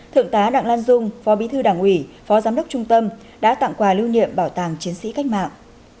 thượng tá đặng lan dung phó bí thư đảng ủy phó giám đốc trung tâm đã tặng quà lưu niệm bảo tàng chiến sĩ cách mạng